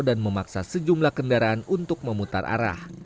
dan memaksa sejumlah kendaraan untuk memutar arah